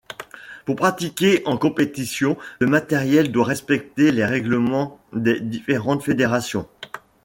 Pour pratiquer en compétition, le matériel doit respecter les règlements des différentes fédérations.